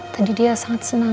tadi dia sangat senang